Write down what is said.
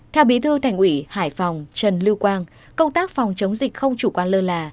theo bí thư thành ủy hải phòng trần lưu quang công tác phòng chống dịch không chủ quan lơ là